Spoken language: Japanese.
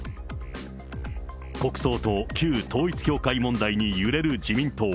国葬と旧統一教会問題に揺れる自民党。